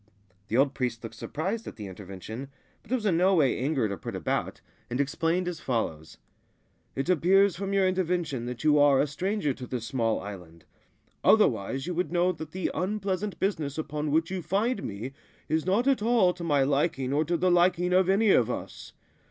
The old priest looked surprised at the intervention, but was in no way angered or put about, and explained as follows :— c It appears from your intervention that you are a stranger to this small island. Otherwise you would know that the unpleasant business upon which you find me is not at all to my liking or to the liking of any of us.